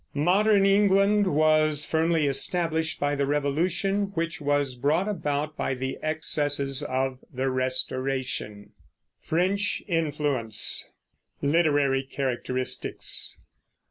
Modern England was firmly established by the Revolution, which was brought about by the excesses of the Restoration. LITERARY CHARACTERISTICS.